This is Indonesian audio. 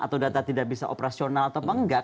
atau data tidak bisa operasional atau apa enggak